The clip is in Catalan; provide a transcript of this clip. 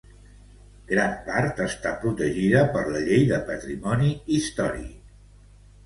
Gran part està protegida per la llei de Patrimoni Històric.